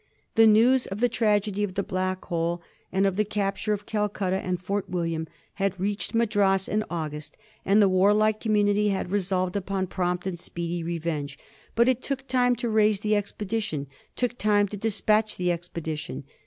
The news of the tragedy of the Blackhole, and of the capture of Calcutta and Fort William, had reached Ma dras in August, and the warlike community had resolved upon prompt and speedy revenge. But it took time to raise the expedition, took time to despatch the expedition.